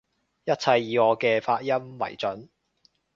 一切以我嘅發音爲準